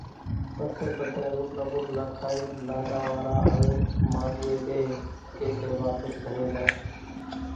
پسيَ ٻڌانئين روٽلا ٻوٽلا کائينَ لاڏا واران آوينَ مانڏوُئيَ ٻيۿيَ ايٽليَ واپس گھرين زائيَ۔